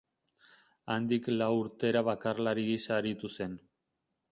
Handik lau urtera bakarlari gisa aritu zen.